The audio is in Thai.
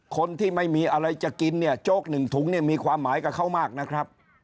คนที่ไม่มีอะไรจะกินเนี่ยโจ๊กหนึ่งถุงเนี่ยมีความหมายกับเขามากนะครับ